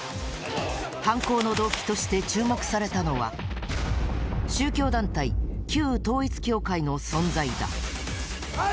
犯行の動機として注目されたのは宗教団体・旧統一教会の存在だ。